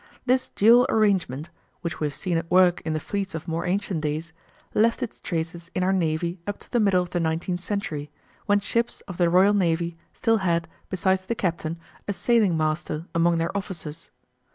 This dual arrangement (which we have seen at work in the fleets of more ancient days) left its traces in our Navy up to the middle of the nineteenth century, when ships of the Royal Navy still had, besides the captain, a "sailing master" among their officers.